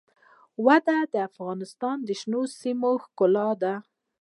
وادي د افغانستان د شنو سیمو ښکلا ده.